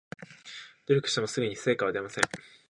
努力してもすぐに成果は出ません